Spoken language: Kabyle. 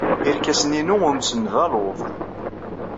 Irkasen-inu umsen d aluḍ.